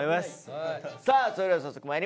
さあそれでは早速まいりましょう。